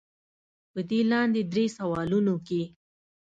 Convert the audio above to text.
پۀ دې لاندې درې سوالونو کښې